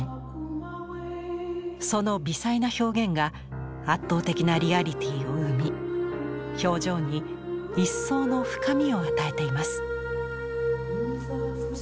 その微細な表現が圧倒的なリアリティーを生み表情に一層の深みを与えています。